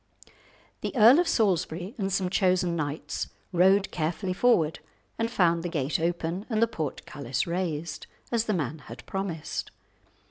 The Earl of Salisbury and some chosen knights rode carefully forward, and found the gate open and the portcullis raised, as the man had promised.